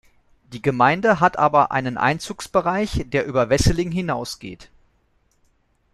Die Gemeinde hat aber einen Einzugsbereich, der über Wesseling hinausgeht.